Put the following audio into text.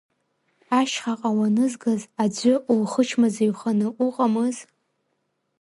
Ашьхаҟа уанызгаз аӡәы улхычмазаҩханы уҟамыз?